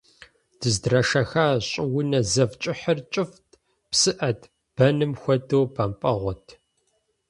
Дыздрашэха щӏыунэ зэв кӏыхьыр кӏыфӏт, псыӏэт, бэным хуэдэу бэмпӏэгъуэт.